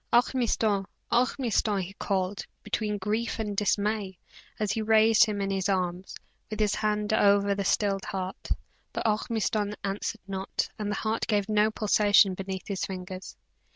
"Ormiston! Ormiston!" he called, between grief and dismay, as he raised him in his arms, with his hand over the stilled heart; but Ormiston answered not, and the heart gave no pulsation beneath his fingers.